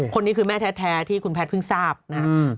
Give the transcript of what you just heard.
คนนี้คือแม่แท้ที่คุณแพทย์เพิ่งทราบนะครับ